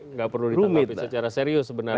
nggak perlu ditanggapi secara serius sebenarnya